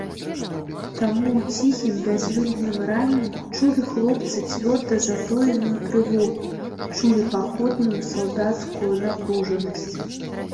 Таму ў ціхім бязлюдным ранні чулі хлопцы цвёрда затоеную трывогу, чулі паходную салдацкую напружанасць.